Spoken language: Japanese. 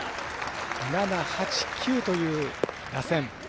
７、８、９という打線。